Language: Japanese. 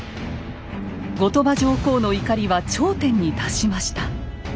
後鳥羽上皇の怒りは頂点に達しました。